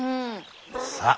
さあ